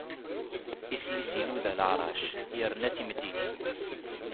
Isem-is inuda leɛrac, yerna timdinin.